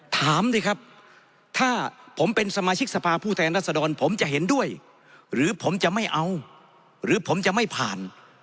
ถามสิครับถ้าผมเป็นสมาชิกสภาผู้แทนรัศดรผมจะเห็นด้วยหรือผมจะไม่เอาหรือผมจะไม่ผ่าน